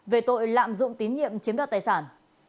về tội lạm dụng tín nhiệm chiếm đoạt tài sản